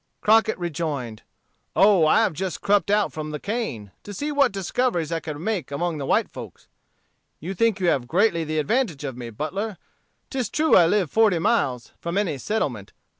Crockett rejoined, "Oh, I have just crept out from the cane, to see what discoveries I could make among the white folks. You think you have greatly the advantage of me, Butler. 'Tis true I live forty miles from any settlement.